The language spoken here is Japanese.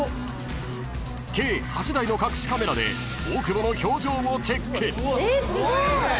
［計８台の隠しカメラで大久保の表情をチェック］